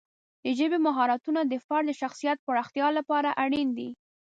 د ژبې مهارتونه د فرد د شخصیت پراختیا لپاره اړین دي.